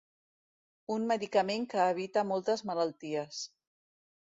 Un medicament que evita moltes malalties.